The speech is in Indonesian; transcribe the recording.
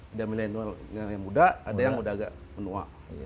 ada milenial yang muda ada yang udah agak menua